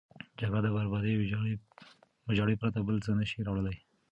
جګړه د بربادي او ویجاړي پرته بل څه نه شي راوړی.